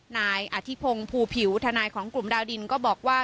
นายอธิพงศ์ภูผิวทนายของกลุ่มดาวดินก็บอกว่า